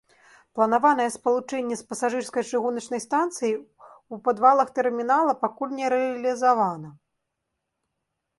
Планаванае спалучэнне з пасажырскай чыгуначнай станцыяй у падвалах тэрмінала пакуль не рэалізавана.